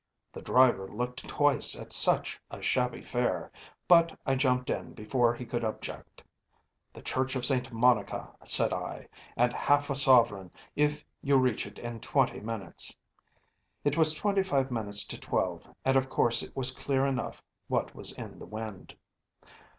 The driver looked twice at such a shabby fare, but I jumped in before he could object. ‚ÄėThe Church of St. Monica,’ said I, ‚Äėand half a sovereign if you reach it in twenty minutes.’ It was twenty five minutes to twelve, and of course it was clear enough what was in the wind.